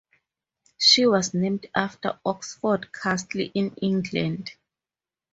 She was named after Oxford Castle in England.